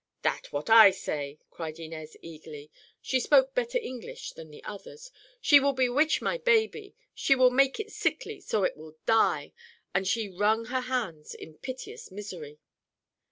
"That is what I say!" cried Inez eagerly. She spoke better English than the others. "She will bewitch my baby; she will make it sickly, so it will die!" And she wrung her hands in piteous misery.